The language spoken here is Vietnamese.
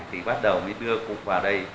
thì bắt đầu mới đưa cụ vào đây